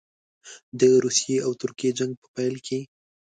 د روسیې او ترکیې جنګ په پیل کې.